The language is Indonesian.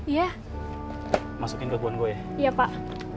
ya masukin kekuan gue ya pak